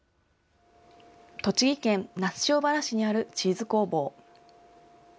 栃木県那須塩原市にあるチーズ工房。